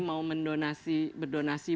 mau mendonasi berdonasi